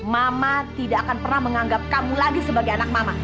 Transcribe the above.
mama tidak akan pernah menganggap kamu lagi sebagai anak mama